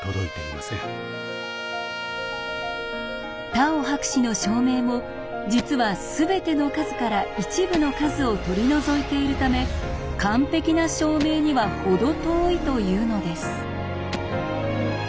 タオ博士の証明も実はすべての数から一部の数を取り除いているため完璧な証明には程遠いというのです。